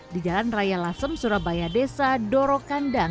di jalan raya lasem surabaya desa dorokandang